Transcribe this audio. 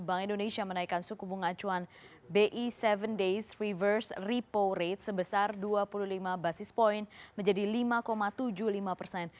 bank indonesia menaikkan suku bunga acuan bi tujuh days reverse repo rate sebesar dua puluh lima basis point menjadi lima tujuh puluh lima persen